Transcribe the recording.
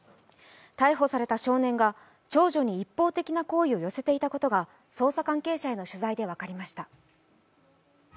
逮捕された少年が、長女に一方的な好意を寄せていたことが捜査関係者への取材で分かりました。